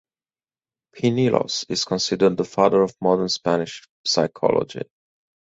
Pinillos is considered the father of modern Spanish psychology.